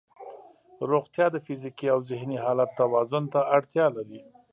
روغتیا د فزیکي او ذهني حالت توازن ته اړتیا لري.